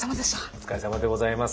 お疲れさまでございます。